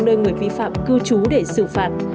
nơi người vi phạm cư chú để xử phạt